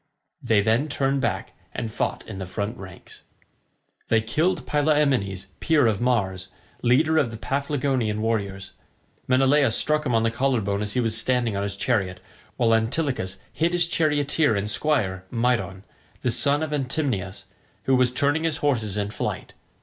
They then turned back and fought in the front ranks. They killed Pylaemenes peer of Mars, leader of the Paphlagonian warriors. Menelaus struck him on the collar bone as he was standing on his chariot, while Antilochus hit his charioteer and squire Mydon, the son of Atymnius, who was turning his horses in flight.